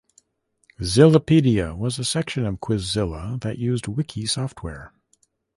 Zillapedia was a section of Quizilla that used wiki software.